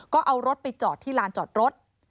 ก็เอารถไปจอดที่ลานจอดรถ